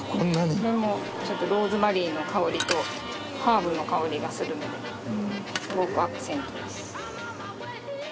これもちょっとローズマリーの香りとハーブの香りがするのですごくアクセントです。